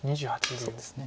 そうですね。